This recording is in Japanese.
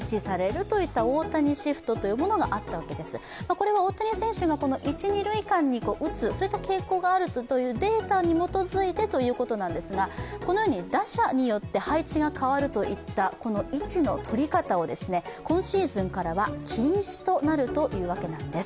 これは大谷選手が一・二塁に打つといった傾向があるというデータに基づいてということなんですが、このように打者によって配置が変わるといった位置の取り方を今シーズンからは禁止となるというわけなんです。